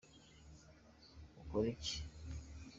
ukora icyi?